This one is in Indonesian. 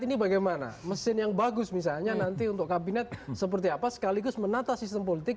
ini bagaimana mesin yang bagus misalnya nanti untuk kabinet seperti apa sekaligus menata sistem politik